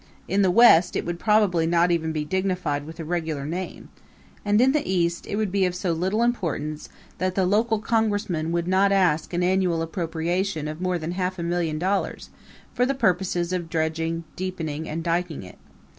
In the West it would probably not even be dignified with a regular name, and in the East it would be of so little importance that the local congressman would not ask an annual appropriation of more than half a million dollars for the purposes of dredging, deepening and diking it.